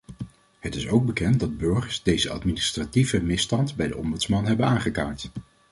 Het is ook bekend dat burgers deze administratieve misstand bij de ombudsman hebben aangekaart.